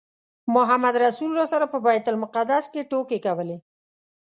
محمدرسول راسره په بیت المقدس کې ټوکې کولې.